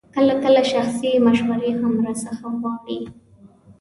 کله کله شخصي مشورې هم راڅخه غواړي.